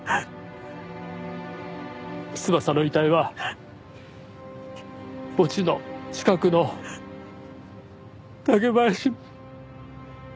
翼の遺体は墓地の近くの竹林に。